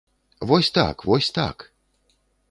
Вось так, вось так!